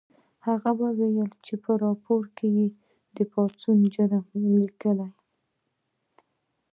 هغه وویل چې په راپور کې د پاڅون جرم ولیکئ